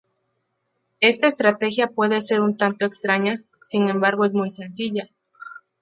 Esta estrategia puede ser un tanto extraña, sin embargo es muy sencilla.